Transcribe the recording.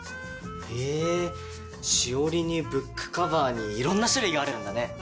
へぇしおりにブックカバーにいろんな種類があるんだね。